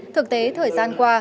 thực tế thời gian qua